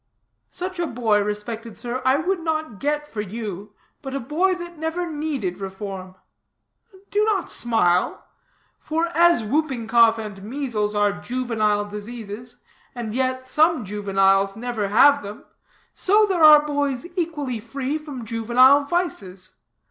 "Such a boy, respected sir, I would not get for you, but a boy that never needed reform. Do not smile, for as whooping cough and measles are juvenile diseases, and yet some juveniles never have them, so are there boys equally free from juvenile vices.